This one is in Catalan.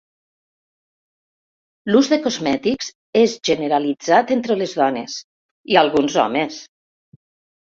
L'ús de cosmètics és generalitzat entre les dones i alguns homes.